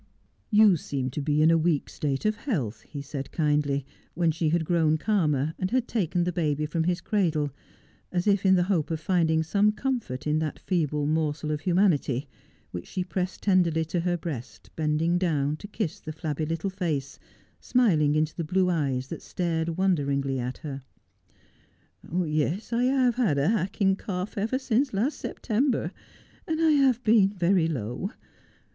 ' You seem to be in a weak state of health,' he said kindly, when she had grown calmer and had taken the baby from his cradle, as if in the hope of finding some comfort in that feeble morsel of humanity, which she pressed tenderly to her breast, bending down to kiss the flabby little face, smiling into the blue eyes that stared wonderingly at her. ' Yes, I have had a hacking cough ever since last September, and I have been very low.